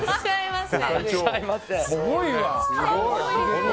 すごいな。